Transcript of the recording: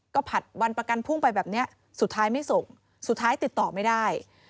ก็ผัดวันประกันพุ่งไปแบบนี้สุดท้ายไม่ส่งสุดท้ายติดต่อไม่ได้